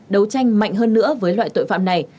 đấu tranh mạnh hơn nữa với loại tội phạm này